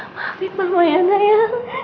maafin mama ya dayang